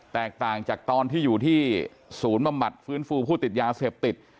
แตกต่างจากตอนที่อยู่ที่ศูนย์บำบัดฟื้นฟูผู้ติดยาเสพติด